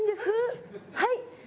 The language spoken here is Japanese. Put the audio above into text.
はい。